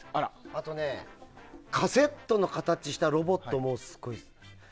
あと、カセットの形したロボットもすごい好き。